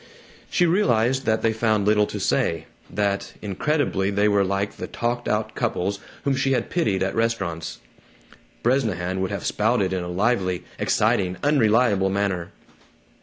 She realized that they found little to say; that, incredibly, they were like the talked out couples whom she had pitied at restaurants. Bresnahan would have spouted in a lively, exciting, unreliable manner.